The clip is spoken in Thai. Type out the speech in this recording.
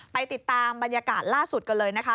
ไปติดตามบรรยากาศล่าสุดกันเลยนะคะ